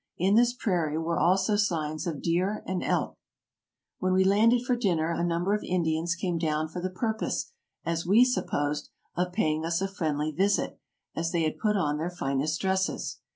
In this prairie were also signs of deer and elk. ■' When we landed for dinner a number of Indians came down for the purpose, as we supposed, of paying us a friendly visit, as they had put on their finest dresses.